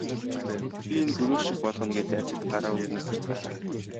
Би энэ гөрөөс шиг болгоно гэхэд дайчид гараа өргөн ухарцгаалаа.